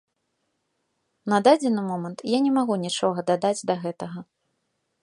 На дадзены момант я не магу нічога дадаць да гэтага.